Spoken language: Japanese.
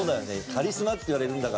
カリスマって言われるんだから。